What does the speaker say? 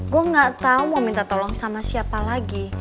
gue gak tau mau minta tolong sama siapa lagi